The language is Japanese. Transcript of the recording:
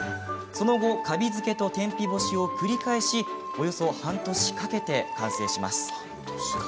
その後カビ付けと天日干しを繰り返しおよそ半年かけて完成します。